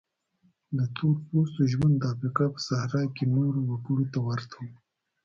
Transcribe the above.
د تور پوستو ژوند د افریقا په صحرا کې نورو وګړو ته ورته و.